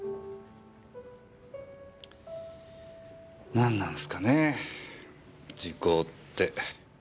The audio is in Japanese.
何なんすかねぇ時効って。